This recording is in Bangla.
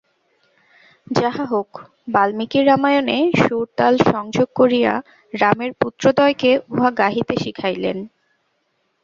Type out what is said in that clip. যাহা হউক, বাল্মীকি রামায়ণে সুর-তাল সংযোগ করিয়া রামের পুত্রদ্বয়কে উহা গাহিতে শিখাইলেন।